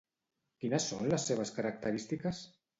Quines són les seves característiques?